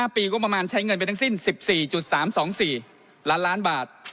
ปีงบประมาณใช้เงินไปทั้งสิ้น๑๔๓๒๔ล้านล้านบาท